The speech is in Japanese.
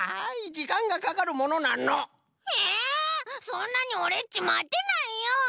そんなにオレっちまてないよ！